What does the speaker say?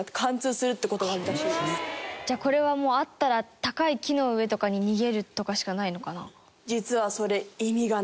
じゃあこれはもう遭ったら高い木の上とかに逃げるとかしかないのかな？えっ！